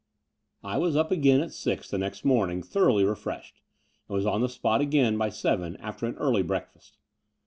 I was up again at six the next morning thor oughly refreshed, and was on the spot again by seven, after an early breakfast.